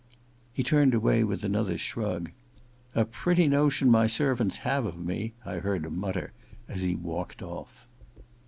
He turned away with another shrug. *A pretty notion my servants have of me !' I neard him mutter as he walked off.